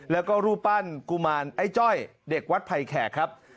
แล้วก็รูปปั้นกุมารไอ้จ้อยเด็กวัดไผ่แขกครับ